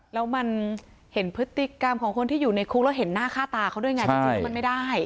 แล้วมันเห็นพฤติกรรมของคนที่อยู่ในคุกแล้วเห็นหน้าค่าตาเขาด้วยไงจริงแล้วมันไม่ได้